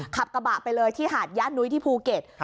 ขับกระบะไปเลยที่หาดย่านนุ้ยที่ภูเก็ต